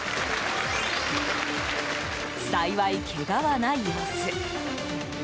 幸い、けがはない様子。